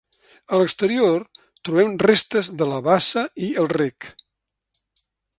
A l'exterior trobem restes de la bassa i el rec.